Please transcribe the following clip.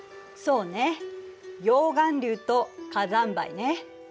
そうね溶岩流と火山灰ね。